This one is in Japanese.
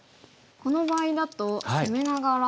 この場合だと攻めながら。